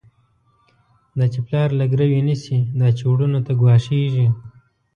دا چی پلار له ګروی نيسی، دا چی وروڼو ته ګواښيږی